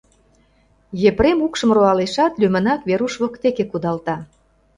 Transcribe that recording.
Епрем укшым руалешат, лӱмынак Веруш воктеке кудалта.